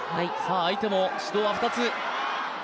相手も指導が２つ。